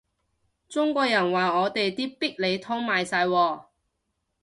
中國人話我哋啲必理痛賣晒喎